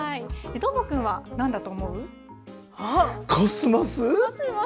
どーもくんはなんだと思う？